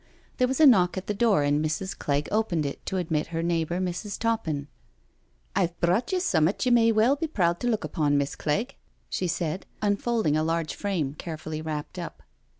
There was a knock at the door, and Mrs. Clegg opened it to admit her neighbour, Mrs. Toppin. " I've brought you summat you may well be prood JOPS SURRENDER 299 to look upon. Miss' Clegg/' she said^ unfolding a large frame carefully wrapt up.